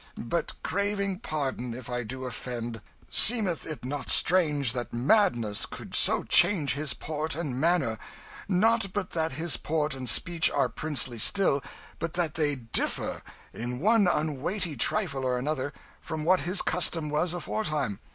But craving pardon if I do offend, seemeth it not strange that madness could so change his port and manner? not but that his port and speech are princely still, but that they differ, in one unweighty trifle or another, from what his custom was aforetime.